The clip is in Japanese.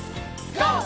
ＧＯ！